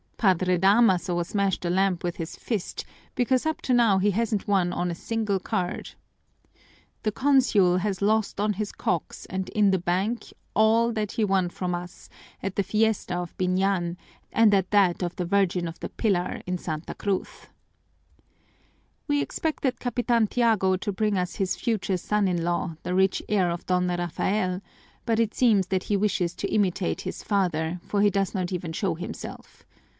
Padre Damaso smashed a lamp with his fist because up to now he hasn't won on a single card. The Consul has lost on his cocks and in the bank all that he won from us at the fiesta of Biñan and at that of the Virgin of the Pillar in Santa Cruz. "We expected Capitan Tiago to bring us his future son in law, the rich heir of Don Rafael, but it seems that he wishes to imitate his father, for he does not even show himself.